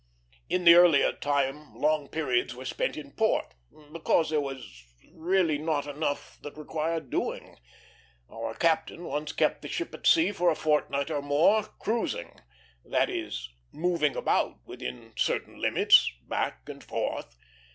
In the earlier time long periods were spent in port, because there really was not enough that required doing. Our captain once kept the ship at sea for a fortnight or more, "cruising;" that is, moving about within certain limits back and forth.